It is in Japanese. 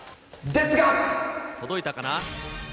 届いたかな？